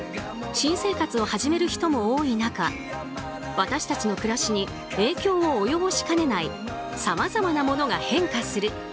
新生活を始める人も多い中私たちの暮らしに影響を及ぼしかねないさまざまなものが変化する。